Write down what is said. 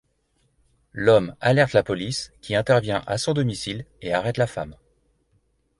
L'homme alerte la police qui intervient à son domicile et arrête la femme.